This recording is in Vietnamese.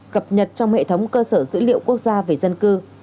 cập nhật trong hệ thống cơ sở dữ liệu quốc gia về dân cư